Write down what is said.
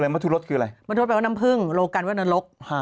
มัทูลรสแปลว่าน้ำพื้งโรคกันว่านรก